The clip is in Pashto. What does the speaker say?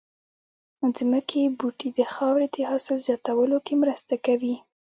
ځمکې بوټي د خاورې د حاصل زياتولو کې مرسته کوي